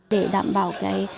để đảm bảo cái